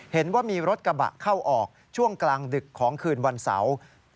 เห็นว่ามีรถกระบะเข้าออกช่วงกลางดึกของคืนวันเสาร์